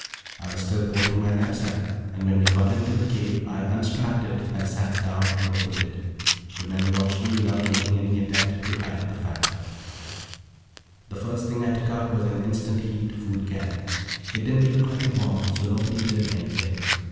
I was still porting my knapsack, and when we got into the cave I unstrapped it and sat down and opened it. The men watched me without making any attempt to hide the fact. The first thing I took out was an instant heat food can. It didn't look like a bomb, so nobody did anything.